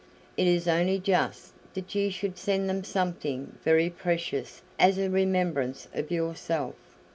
It is only just that you should send them something very precious as a remembrance of yourself."